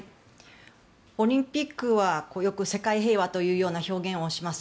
オリンピックはよく世界平和というような表現をします。